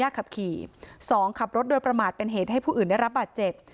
ขับขี่สองขับรถโดยประมาทเป็นเหตุให้ผู้อื่นได้รับบาดเจ็บ